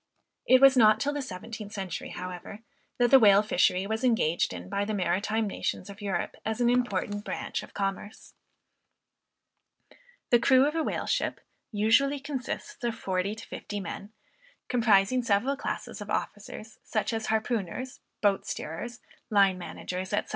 It was not till the seventeenth century however, that the whale fishery was engaged in by the maritime nations of Europe as an important branch of commerce. The crew of a whale ship usually consists of forty to fifty men, comprising several classes of officers, such as harpooners, boat steerers, line managers, &c.